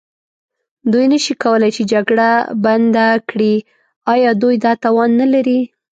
دوی نه شي کولای چې جګړه بنده کړي، ایا دوی دا توان نه لري؟